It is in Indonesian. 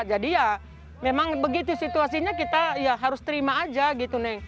jadi ya memang begitu situasinya kita harus terima aja gitu